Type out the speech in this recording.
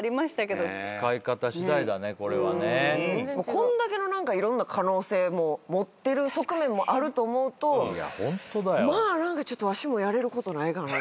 こんだけのいろんな可能性も持ってる側面もあると思うとまあわしもやれることないかなと。